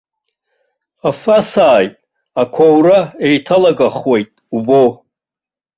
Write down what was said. Афы асааит, ақәаура еиҭалагахуеит убоу.